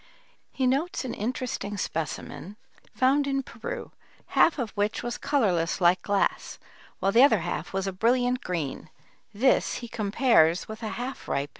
He notes an interesting specimen found in Peru, half of which was colorless like glass, while the other half was a brilliant green; this he compares with a half ripened fruit.